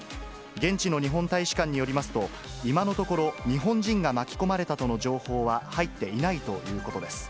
現地の日本大使館によりますと、今のところ日本人が巻き込まれたとの情報は入っていないということです。